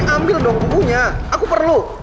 ambil dong bumbunya aku perlu